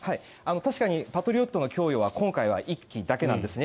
確かにパトリオットの供与は今回は１基だけなんですね。